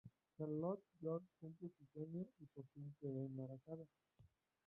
Charlotte York cumple su sueño y por fin queda embarazada.